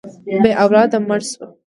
بې اولاده مړه شوه.